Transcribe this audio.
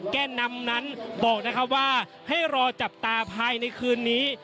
แก่นำนั้นว่าให้รอจับตาภายในคืนนี้